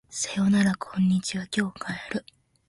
さよならこんにちは今日帰る